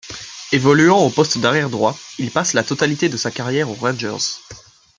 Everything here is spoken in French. Évoluant au poste d'arrière droit, il passe la totalité de sa carrière aux Rangers.